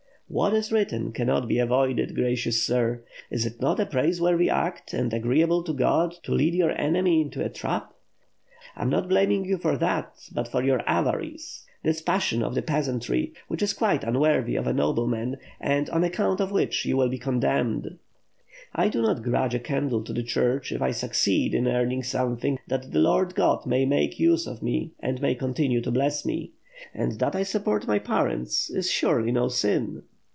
"What is written cannot be avoided, gracious sir. Is it not a praiseworthy act and agreeable to God to lead your enemy into a trap?" "I am not blaming you for that, but for your avarice, this passion of the peasantry, which is quite unworthy of a noble man, and on account of which you wil be condemned." "I do not grudge a candle to the Church if I succeed in earning something, that the Lord God may make use of me and may continue to bless me. And that I support my parents, is surely no sin."